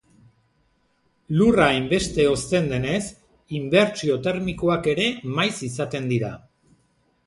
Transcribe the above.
Lurra hainbeste hozten denez, inbertsio termikoak ere maiz izaten dira.